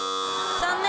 残念。